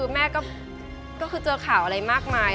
แม่ก็คือเจอข่าวอะไรมากมาย